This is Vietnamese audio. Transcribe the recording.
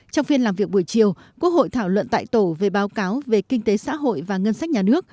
trong phiên làm việc buổi chiều quốc hội thảo luận tại tổ về báo cáo về kinh tế xã hội và ngân sách nhà nước